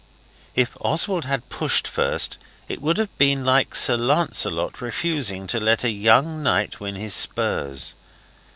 If Oswald had pushed first it would have been like Sir Lancelot refusing to let a young knight win his spurs.